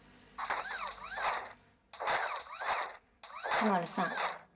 田丸さん